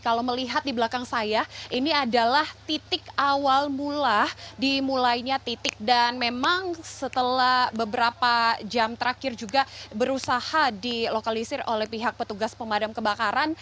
kalau melihat di belakang saya ini adalah titik awal mula dimulainya titik dan memang setelah beberapa jam terakhir juga berusaha dilokalisir oleh pihak petugas pemadam kebakaran